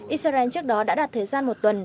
israel trước đó đã đạt thời gian một tuần